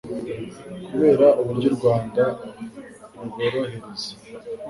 Kubera uburyo u Rwanda ruborohereza.